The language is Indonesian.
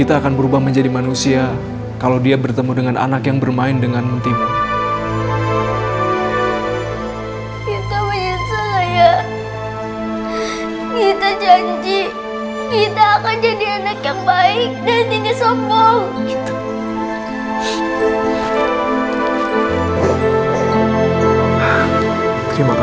terima kasih banyak ya nak